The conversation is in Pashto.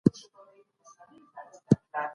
که باران ونه وریږي، قحطي به نوره هم سخته سي.